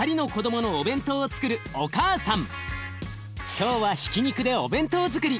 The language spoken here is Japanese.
今日はひき肉でお弁当づくり。